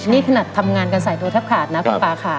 นี่ขนาดทำงานกันใส่ตัวแทบขาดนะคุณป่าค่ะ